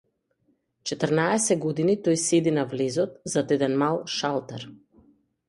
Четрнаесет години тој седи на влезот, зад еден мал шалтер.